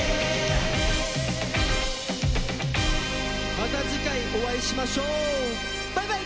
また次回お会いしましょう。バイバイ！